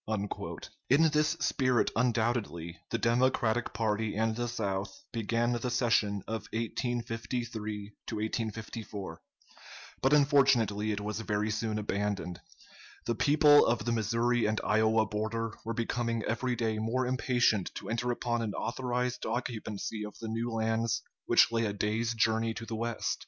In this spirit, undoubtedly, the Democratic party and the South began the session of 1853 4; but unfortunately it was very soon abandoned. The people of the Missouri and Iowa border were becoming every day more impatient to enter upon an authorized occupancy of the new lands which lay a day's journey to the west.